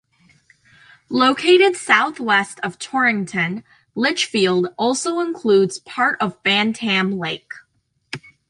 Located southwest of Torrington, Litchfield also includes part of Bantam Lake.